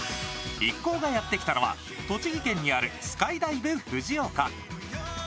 一行がやってきたのは栃木県にあるスカイダイブ藤岡。